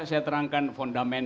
saya terangkan fondamen